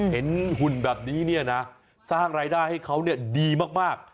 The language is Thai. เห็นหุ่นแบบนี้นะสร้างรายได้ให้เขาดีมาก